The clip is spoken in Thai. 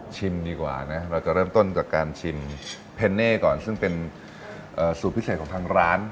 ดีกว่านะเราจะเริ่มต้นจากการชิมเพนเน่ก่อนซึ่งเป็นสูตรพิเศษของทางร้าน